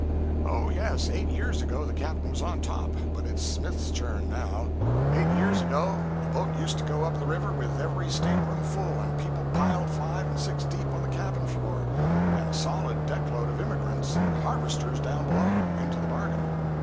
'Oh, yes, eight years ago, the captain was on top; but it's Smith's turn now. Eight years ago a boat used to go up the river with every stateroom full, and people piled five and six deep on the cabin floor; and a solid deck load of immigrants and harvesters down below, into the bargain.